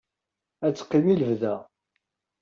Ad teqqim i lebda.